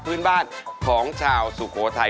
พื้นบ้านของชาวสุโขทัย